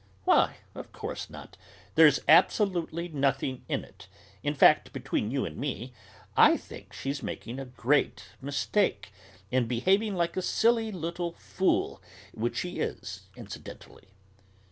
"Why, of course not; there's absolutely nothing in it; in fact, between you and me, I think she's making a great mistake, and behaving like a silly little fool, which she is, incidentally."